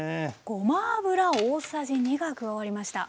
ごま油大さじ２が加わりました。